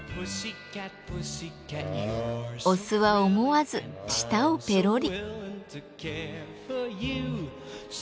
オスは思わず舌をペロリ。